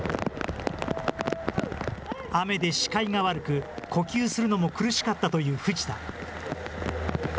雨で視界が悪く、呼吸するのも苦しかったという藤田。